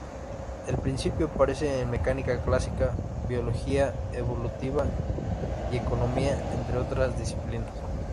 El principio aparece en mecánica clásica, biología evolutiva y economía entre otras disciplinas.